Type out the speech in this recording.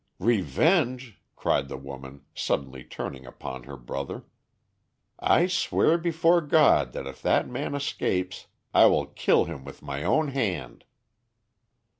"Revenge!" cried the woman, suddenly turning upon her brother; "I swear before God that if that man escapes, I will kill him with my own hand!"